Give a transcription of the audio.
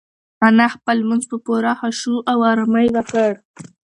انا خپل لمونځ په پوره خشوع او ارامۍ وکړ.